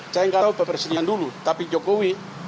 saya gak tahu pak presiden dulu tapi jokowi